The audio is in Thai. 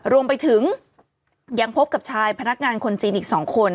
รวมไปถึงยังพบกับชายพนักงานคนจีนอีก๒คน